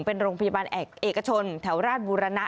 เป็นโรงพยาบาลเอกชนแถวราชบุรณะ